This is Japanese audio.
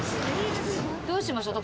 どうしましょう？